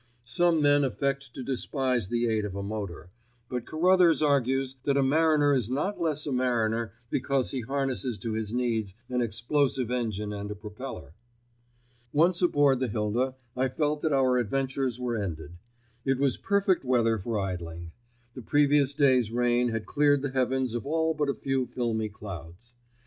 Some men affect to despise the aid of a motor, but Carruthers argues that a mariner is not less a mariner because he harnesses to his needs an explosive engine and a propeller. Once aboard the Hilda I felt that our adventures were ended. It was perfect weather for idling. The previous day's rain had cleared the heavens of all but a few filmy clouds.